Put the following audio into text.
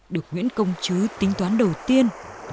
được nguyễn công chứ tính toán đầu tiên